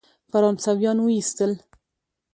فرانسویان وایستل.